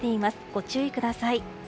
ご注意ください。